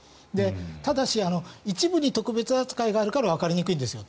ただし、一部に特別扱いがあるからわかりにくいんですよ。